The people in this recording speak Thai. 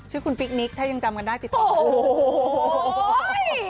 ชื่อคุณฟิกนิกถ้ายังจำกันได้ติดต่อโอ้โห